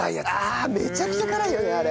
めちゃくちゃ辛いよねあれ。